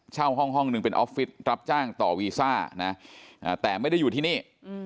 เช่าห้องหนึ่งเป็นออฟฟิศรับจ้างต่อวีซ่านะแต่ไม่ได้อยู่ที่นี่